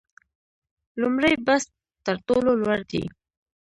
لومړی بست تر ټولو لوړ دی